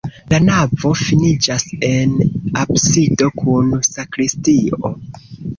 La navo finiĝas en absido kun sakristio.